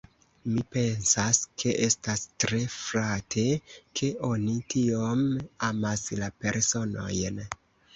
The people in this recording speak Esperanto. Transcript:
Mi pensas ke estas tre flate, ke oni tiom amas la personojn.